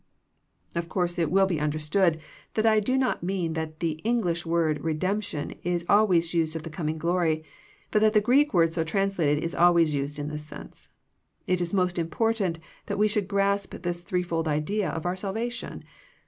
Of course, it will be understood that I do not mean that the English word redemption is always used of the coming glory, but that the Greek word so translated is always used in this sense. It is most important that we should grasp this threefold idea of our salvation.